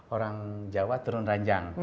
orang jawa turun ranjang